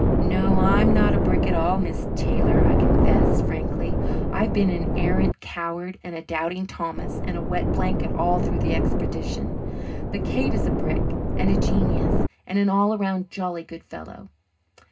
"No, I'm not a brick at all, Miss Taylor," I confessed frankly. "I've been an arrant coward and a doubting Thomas and a wet blanket all through the expedition. But Kate is a brick and a genius and an all round, jolly good fellow."